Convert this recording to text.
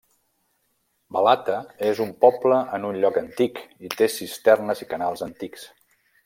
Balata és un poble en un lloc antic, i té cisternes i canals antics.